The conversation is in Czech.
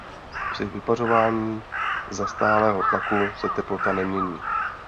Při vypařování za stálého tlaku se teplota nemění.